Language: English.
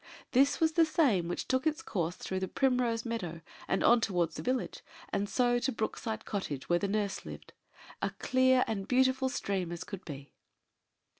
This was the same which took its course through the Primrose Meadow, and on towards the village, and so to Brookside Cottage, where nurse lived a clear and beautiful stream as could be.